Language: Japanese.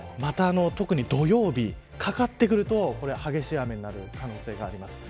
特に土曜日かかってくると激しい雨になる可能性があります。